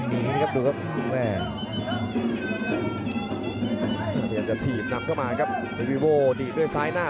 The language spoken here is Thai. พยายามจะถีบนำเข้ามาครับเทนวิโว่ดีดด้วยซ้ายหน้า